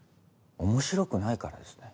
面白くないからですね。